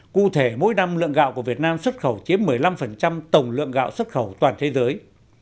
cụ thể mỗi năm lượng gạo của việt nam xuất khẩu chiếm một mươi năm tổng lượng gạo xuất khẩu toàn thế giới